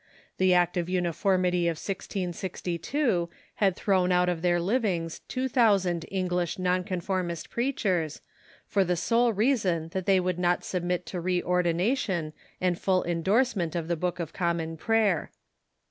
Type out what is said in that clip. The Act of Uniformity of 1662 had thrown out of their livings two thousand English non con formist preachers, for the sole reason that they would not sub mit to reordination and full endorsement of the Book of Com mon Prayer.